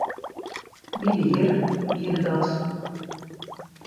Minne jierren wienen dat.